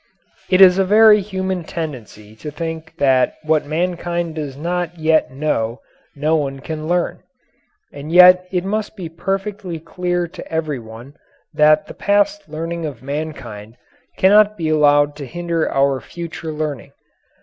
It is a very human tendency to think that what mankind does not yet know no one can learn. And yet it must be perfectly clear to everyone that the past learning of mankind cannot be allowed to hinder our future learning.